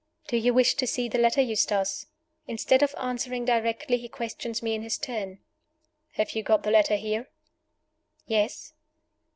"Do you wish to see the letter, Eustace?" Instead of answering directly, he questions me in his turn. "Have you got the letter here?" "Yes."